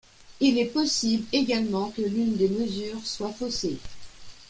Il est possible également que l'une des mesures soit faussée.